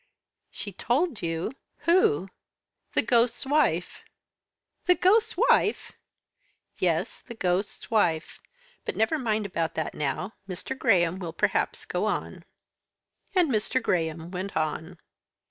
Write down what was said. "She told you? Who?" "The ghost's wife." "The ghost's wife!" "Yes, the ghost's wife. But never mind about that now. Mr. Graham will perhaps go on." And Mr. Graham went on.